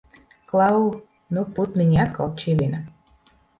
Klau! Nu putniņi atkal čivina!